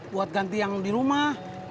buat ganti yang di rumah